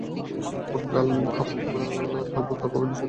অমন গাল খাব তা ভাবিনি ছোটমামি।